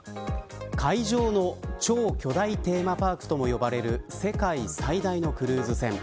海上の超巨大テーマパークとも呼ばれる世界最大のクルーズ船。